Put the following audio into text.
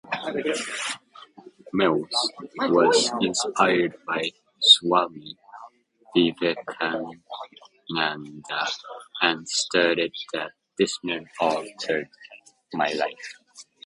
Mills was inspired by Swami Vivekananda and stated that "this man altered my life".